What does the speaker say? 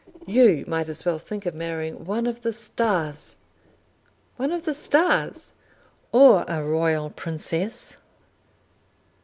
"You might as well think of marrying one of the stars." "One of the stars!" "Or a royal princess!"